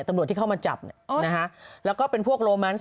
ตำรวจที่เข้ามาจับเนี่ยนะฮะแล้วก็เป็นพวกโลแมนซ